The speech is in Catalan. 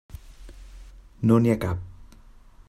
No n'hi ha cap.